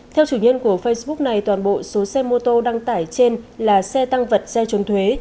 theo chủ nhân của facebook này toàn bộ số xe mô tô đăng tải trên là xe tăng vật xe trốn thuế